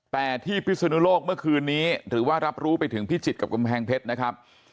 แต่ที่พิศนุโลกเมื่อคืนนี้ถือว่ารับรู้ไปถึงพิจิตรกับกำแพงเพชรนะครับ